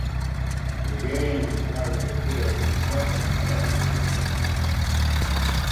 The game requires the player to constantly plan for the future.